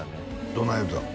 どない言うてたん？